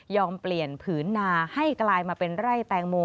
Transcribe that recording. เปลี่ยนผืนนาให้กลายมาเป็นไร่แตงโม